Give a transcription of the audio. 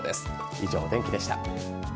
以上、お天気でした。